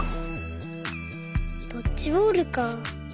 ドッジボールか。